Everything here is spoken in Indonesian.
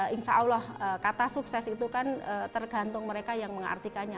insya allah kata sukses itu kan tergantung mereka yang mengartikannya